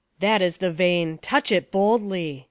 That is the vein ! touch it boldly.